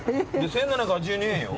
１，７８２円よ。